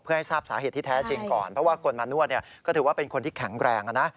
เพื่อให้ทราบสาเหตุที่แท้จริงก่อนเพราะว่าคนมานวดก็ถือว่าเป็นคนที่แข็งแรงนะ